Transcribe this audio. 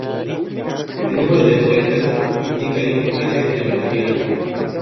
El número de vueltas indica la importancia de la localidad.